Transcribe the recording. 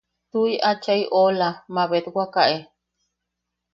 –Tuʼi, achai oʼola, mabetwaka e.